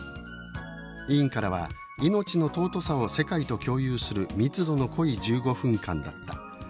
委員からは「命の尊さを世界と共有する密度の濃い１５分間だった」